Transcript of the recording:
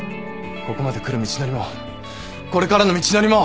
ここまで来る道のりもこれからの道のりも！